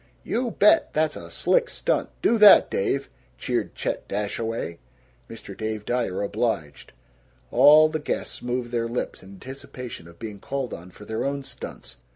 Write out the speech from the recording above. "You bet; that's a slick stunt; do that, Dave!" cheered Chet Dashaway. Mr. Dave Dyer obliged. All the guests moved their lips in anticipation of being called on for their own stunts.